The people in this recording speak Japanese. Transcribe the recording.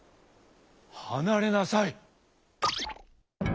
はなれなさい！」。